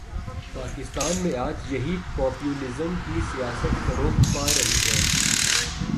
پاکستان میں آج یہی پاپولزم کی سیاست فروغ پا رہی ہے۔